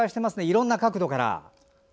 いろんな角度から。